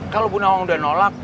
kalau bu nawang udah nolak